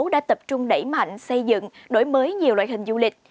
đã tập trung đẩy mạnh xây dựng đổi mới nhiều loại hình du lịch